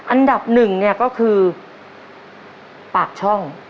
อันดับหนึ่งเนี่ยก็คือปากช่อง